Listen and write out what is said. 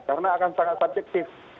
karena akan sangat subjektif